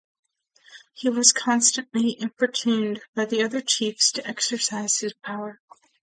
He was constantly importuned by other chiefs to exercise his power.